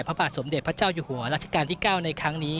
พระบาทสมเด็จพระเจ้าอยู่หัวรัชกาลที่๙ในครั้งนี้